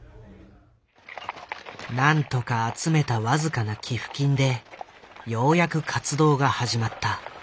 なんとか集めた僅かな寄付金でようやく活動が始まった。